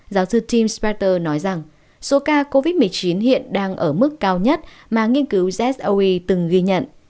giáo sư tim spater nói rằng số ca covid một mươi chín hiện đang ở mức cao nhất mà nghiên cứu zoe từng ghi nhận